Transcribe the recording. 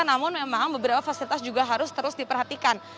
namun memang beberapa fasilitas juga harus terus diperhatikan